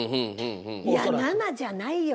いや７じゃないよ。